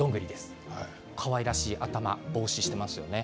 かわいらしい頭をしていますね。